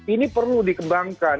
ini perlu dikembangkan